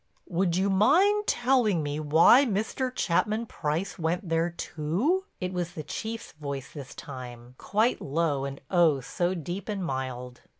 "Would you mind telling me why Mr. Chapman Price went there too?" It was the Chief's voice this time, quite low and oh, so deep and mild.